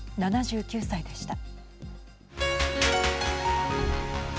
７９歳でした。